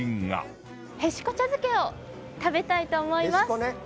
へしこ茶漬けを食べたいと思います。